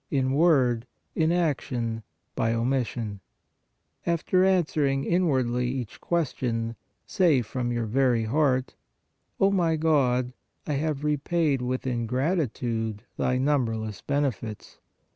in word? in action? by omission? After answering inwardly each question, say from your very heart:) O my God, I have repaid with ingratitude Thy WHEN TO PRAY 131 numberless benefits.